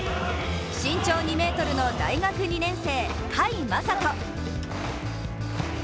身長２ｍの大学２年生、甲斐優斗。